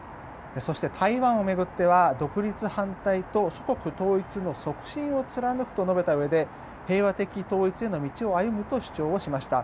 そして台湾を巡っては独立反対と祖国統一の促進を貫くと述べたうえで平和的統一への道を歩むと主張しました。